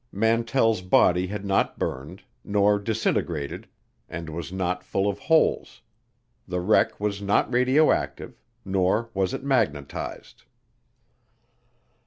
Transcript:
Mantell's body had not burned, not disintegrated, and was not full of holes; the wreck was not radioactive, nor was it magnetized.